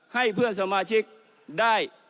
ให้เพื่อนสมาชิกได้